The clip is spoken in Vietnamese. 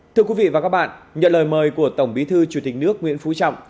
thưa quý vị và các bạn nhận lời mời của tổng bí thư chủ tịch nước nguyễn phú trọng